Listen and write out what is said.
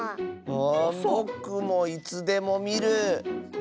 あぼくもいつでもみる。